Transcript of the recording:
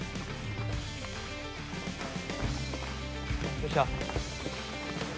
どうした？